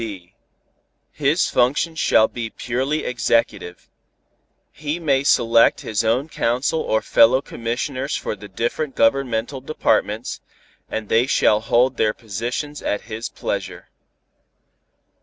(b) His function shall be purely executive. He may select his own council or fellow commissioners for the different governmental departments, and they shall hold their positions at his pleasure.